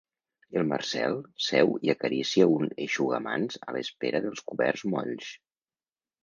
El Marcel seu i acaricia un eixugamans a l'espera dels coberts molls.